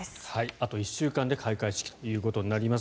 あと１週間で開会式となります。